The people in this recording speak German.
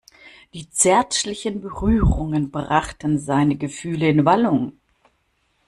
Die zärtlichen Berührungen brachten seine Gefühle in Wallung.